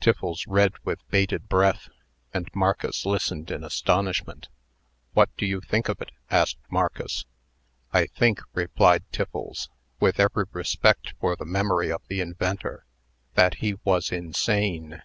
Tiffles read with bated breath; and Marcus listened in astonishment. "What do you think of it?" asked Marcus. "I think," replied Tiffles, "with every respect for the memory of the inventor, that he was insane.